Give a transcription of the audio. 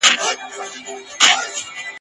په نصیب یې ورغلی شین جنت وو ..